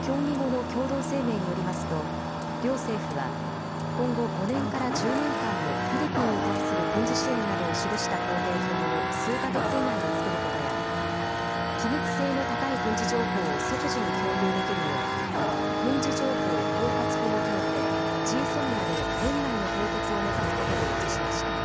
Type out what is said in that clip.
協議後の共同声明によりますと両政府は今後５年から１０年間のフィリピンに対する軍事支援などを記した工程表を数か月以内に作ることや機密性の高い軍事情報を即時に共有できるよう軍事情報包括保護協定・ＧＳＯＭＩＡの年内の締結を目指すことで一致しました。